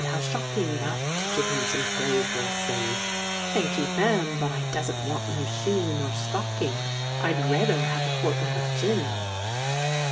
How shocking! Not to give him some clothes were a sin!—" "Thank'ee, ma'am; but I doesn't want no shoe nor stocking, I'd rayther have a quartern o' gin!"